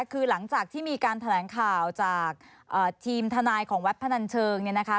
คือหลังจากที่มีการแถลงข่าวจากทีมทนายของวัดพนันเชิงเนี่ยนะคะ